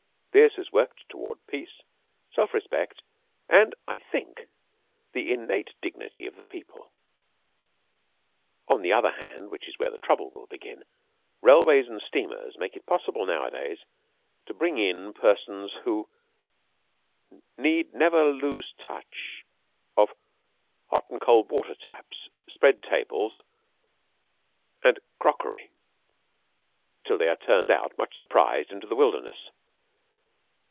This has worked toward peace, self respect, and, I think, the innate dignity of the people. On the other hand which is where the trouble will begin railways and steamers make it possible nowadays to bring in persons who need never lose touch of hot and cold water taps, spread tables, and crockery till they are turned out, much surprised, into the wilderness.